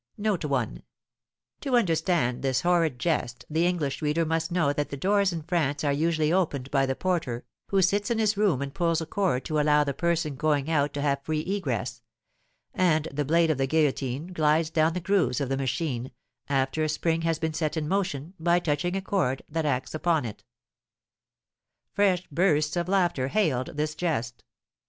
'" To understand this horrid jest the English reader must know that the doors in France are usually opened by the porter, who sits in his room and pulls a cord to allow the person going out to have free egress; and the blade of the guillotine glides down the grooves of the machine, after a spring has been set in motion, by touching a cord that acts upon it. Fresh bursts of laughter hailed this jest.